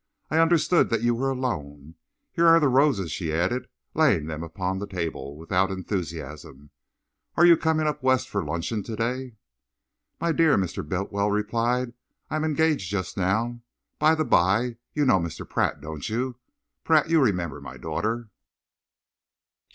"I understood that you were alone. Here are the roses," she added, laying them upon the table without enthusiasm. "Are you coming up west for luncheon to day?" "My dear," Mr. Bultiwell replied, "I am engaged just now. By the bye, you know Mr. Pratt, don't you? Pratt, you remember my daughter?"